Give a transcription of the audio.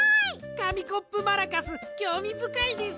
かみコップマラカスきょうみぶかいです。